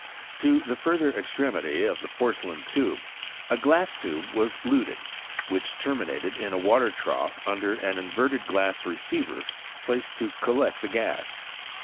To the furtha extremity of the porcelain tube a glass tube was luted, which terminated in a water trough under aa inverted glass receiver placed to collect the gas.